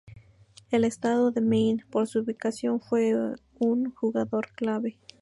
El estado de Maine, por su ubicación, fue un jugador clave.